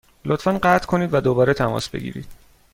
لطفا قطع کنید و دوباره تماس بگیرید.